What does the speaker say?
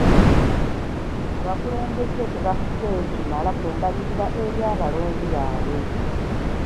Abakulembeze tebafuddeyo kimala ku mbalirira eri abalonzi baabwe.